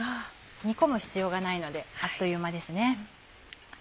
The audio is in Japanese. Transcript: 煮込む必要がないのであっという間ですね。